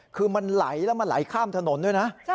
คือมันไหลแล้วมันไหลข้ามถนนด้วยนะ